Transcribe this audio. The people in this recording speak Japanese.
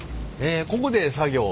ここで作業を？